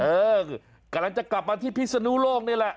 เออกำลังจะกลับมาที่พิศนุโลกนี่แหละ